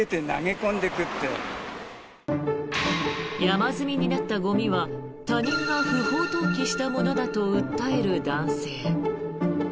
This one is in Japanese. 山積みになったゴミは他人が不法投棄したものだと訴える男性。